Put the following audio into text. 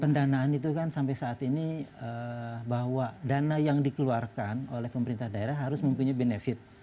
pendanaan itu kan sampai saat ini bahwa dana yang dikeluarkan oleh pemerintah daerah harus mempunyai benefit